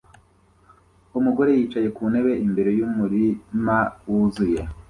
Umugore yicaye ku ntebe imbere yumurima wuzuye